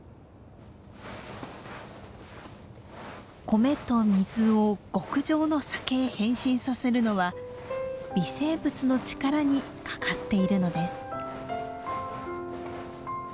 米と水を極上の酒へ変身させるのは微生物の力にかかっているのです。